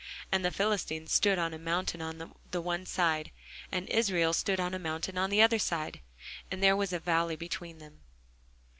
And the Philistines stood on a mountain on the one side, and Israel stood on a mountain on the other side: and there was a valley between them.